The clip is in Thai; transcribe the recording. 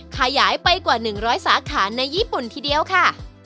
ขยายไปกว่า๑๐๐สาขาในญี่ปุ่นทีเดียวค่ะ